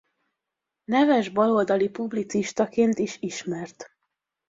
Neves baloldali publicistaként is ismert.